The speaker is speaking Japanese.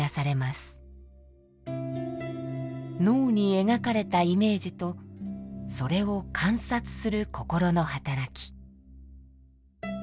脳に描かれたイメージとそれを観察する心の働き。